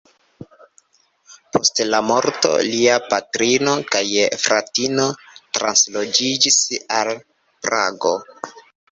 Post la morto, lia patrino kaj fratino transloĝiĝis al Prago.